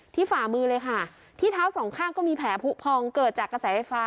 ฝ่ามือเลยค่ะที่เท้าสองข้างก็มีแผลผู้พองเกิดจากกระแสไฟฟ้า